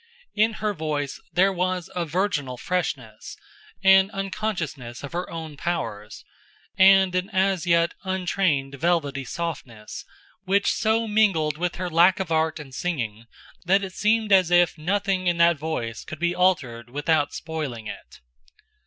In her voice there was a virginal freshness, an unconsciousness of her own powers, and an as yet untrained velvety softness, which so mingled with her lack of art in singing that it seemed as if nothing in that voice could be altered without spoiling it.